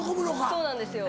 そうなんですよ